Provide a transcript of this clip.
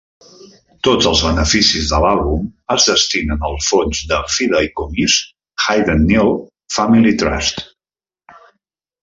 Tots els beneficis de l'àlbum es destinen al fons de fideïcomís Haydain Neale Family Trust.